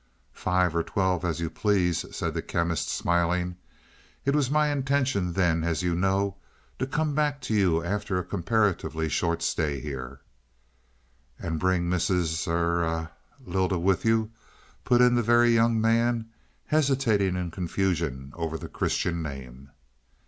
"Five or twelve, as you please," said the Chemist smiling. "It was my intention then, as you know, to come back to you after a comparatively short stay here." "And bring Mrs. er Lylda, with you," put in the Very Young Man, hesitating in confusion over the Christian name.